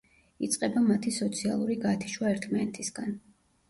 იწყება მათი სოციალური გათიშვა ერთმანეთისგან.